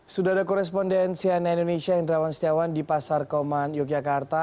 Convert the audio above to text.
sudah ada korespondensi dari indonesia hendrawan setiawan di pasar kauman yogyakarta